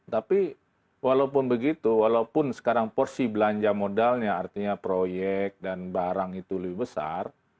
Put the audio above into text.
tapi walaupun begitu walaupun sekarang porsi belanja modalnya artinya proyek dan barang itu lebih besar